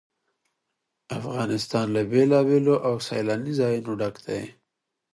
افغانستان له بېلابېلو او ښکلو سیلاني ځایونو ډک دی.